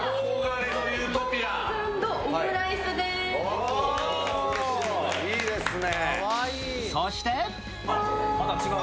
おー、いいですね。